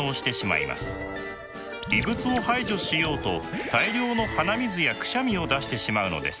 異物を排除しようと大量の鼻水やくしゃみを出してしまうのです。